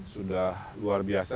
sudah luar biasa